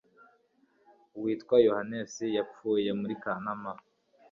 witwa yohannesi yapfuye muri kanama